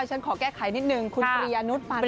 ๒๕๓๙ฉันขอแก้ไขนิดนึงคุณเปรียนุษย์ปานพนัก